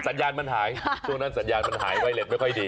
สัญญาณมันหายช่วงนั้นสัญญาณมันหายไวเล็ตไม่ค่อยดี